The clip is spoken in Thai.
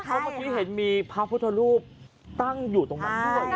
เพราะเมื่อกี้เห็นมีพระพุทธรูปตั้งอยู่ตรงนั้นด้วย